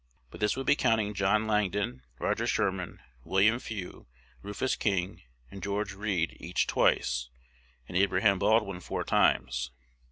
But this would be counting John Lang don, Roger Sherman, William Few, Rufus King, and George Read each twice, and Abraham Baldwin four times.